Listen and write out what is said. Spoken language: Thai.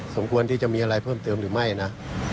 สมควรที่จะมีอะไรเพิ่มเติมหรือไม่นะ